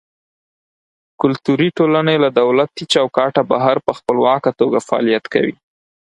کلتوري ټولنې له دولتي چوکاټه بهر په خپلواکه توګه فعالیت کوي.